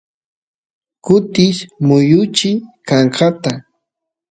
kutis muyuchi kankata